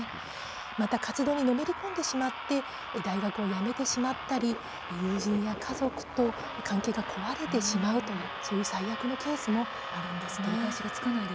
また活動にのめり込んでしまって大学を辞めてしまったり友人や家族と関係が壊れてしまうというそういう最悪のケースもあるんですね。